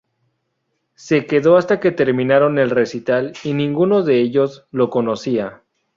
Se quedó hasta que terminaron el recital y ninguno de ellos lo conocía.